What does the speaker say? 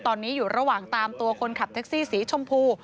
ตอนนี้อยู่ระหว่างตามตัวคนขับแท็กซี่สีชมพู